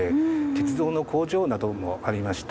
鉄道の工場などもありました